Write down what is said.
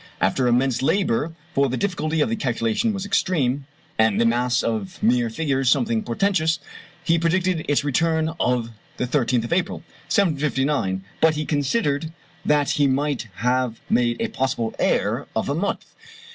After immense labour (for the difficulty of the calculation was extreme, and the mass of mere figures something portentous), he predicted its return on the 13th of April, 1759, but he considered that he might have made a possible error of a month.